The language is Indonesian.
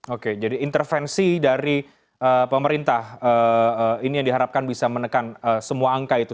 oke jadi intervensi dari pemerintah ini yang diharapkan bisa menekan semua angka itu